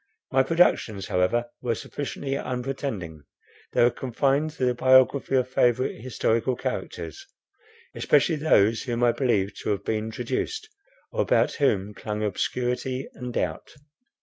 My productions however were sufficiently unpretending; they were confined to the biography of favourite historical characters, especially those whom I believed to have been traduced, or about whom clung obscurity and doubt.